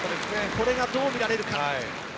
これがどう見られるか。